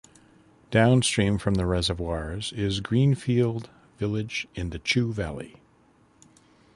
Downstream from the reservoirs is Greenfield village in the Chew Valley.